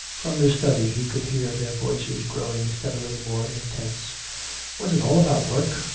From his study he could hear their voices growing steadily more intense. Was it all about work?